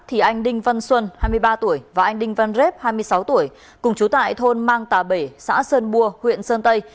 thì anh đinh văn xuân hai mươi ba tuổi và anh đinh văn rếp hai mươi sáu tuổi cùng chú tại thôn mang tà bể xã sơn bua huyện sơn tây